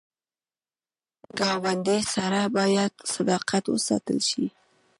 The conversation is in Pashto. ګاونډي سره باید صداقت وساتل شي